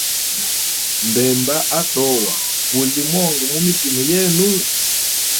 Mbemba atowa, guli monga mumitima yenu?